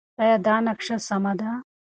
ایا دا نقشه سمه ده؟